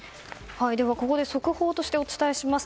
ここで速報としてお伝えします。